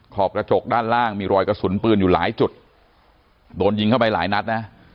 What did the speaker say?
ขอบกระจกด้านล่างมีรอยกระสุนปืนอยู่หลายจุดโดนยิงเข้าไปหลายนัดนะ